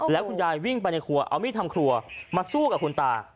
แล้วคุณยายวิ่งไปในครัวเอามีดทำครัวมาสู้กับคุณตา